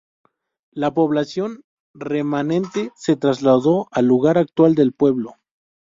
La población remanente se trasladó al lugar actual del pueblo.